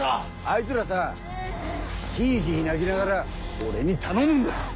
あいつらさヒヒ泣きながら俺に頼むんだよ。